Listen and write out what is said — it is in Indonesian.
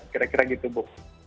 kira kira gitu bu